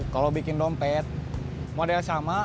kalau bikin dompet model sama